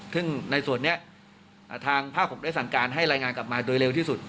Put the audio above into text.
ซึ่งในส่วนนี้ทางภาคผมได้สั่งการให้รายงานกลับมาโดยเร็วที่สุด